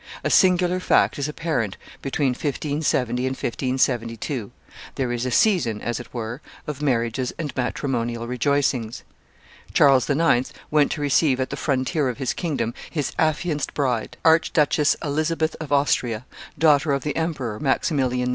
A singular fact is apparent between 1570 and 1572; there is a season, as it were, of marriages and matrimonial rejoicings. Charles IX. went to receive at the frontier of his kingdom his affianced bride, Archduchess Elizabeth of Austria, daughter of the emperor, Maximilian II.